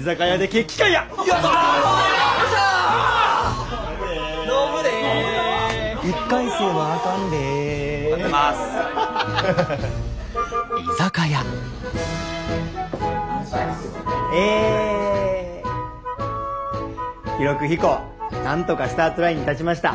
記録飛行なんとかスタートラインに立ちました。